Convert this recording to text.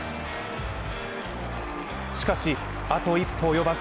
しかし、あと一歩及ばず。